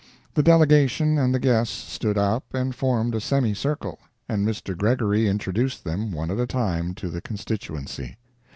The delegation and the guests stood up and formed a semicircle, and Mr. Gregory introduced them one at a time to the constituency.